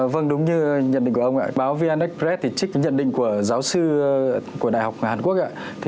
vâng đúng như nhận định của ông ạ báo vnx press trích nhận định của giáo sư của đại học hàn quốc ạ